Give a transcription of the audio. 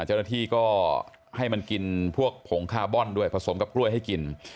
เจ้าหน้าที่ก็ให้มันกินพวกผงคาร์บอนด้วยผสมกับกล้วยให้กิน